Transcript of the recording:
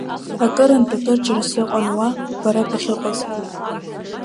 Акырынтә, акырџьара сыҟан уа, бара бахьыҟаз.